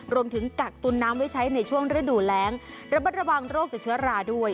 กักตุนน้ำไว้ใช้ในช่วงฤดูแรงระบัดระวังโรคจากเชื้อราด้วย